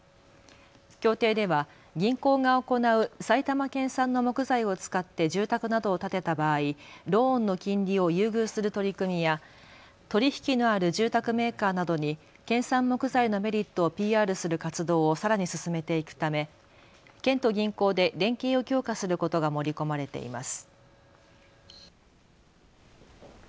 協定では銀行が行う埼玉県産の木材を使って住宅などを建てた場合、ローンの金利を優遇する取り組みや取り引きのある住宅メーカーなどに県産木材のメリットをＰＲする活動をさらに進めていくため県と銀行で連携を強化することが盛り込まれています。